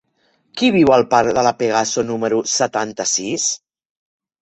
Qui viu al parc de La Pegaso número setanta-sis?